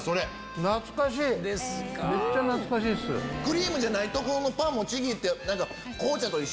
クリームじゃないところのパンもちぎって。